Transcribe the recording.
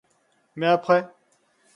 Mais après ?